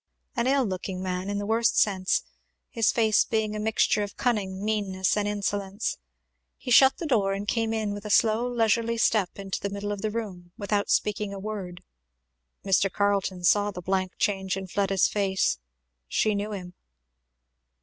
An ill looking man, in the worst sense; his face being a mixture of cunning, meanness, and insolence. He shut the door and came with a slow leisurely step into the middle of the room without speaking a word. Mr. Carleton saw the blank change in Fleda's face. She knew him.